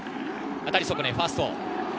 当たり損ね、ファースト。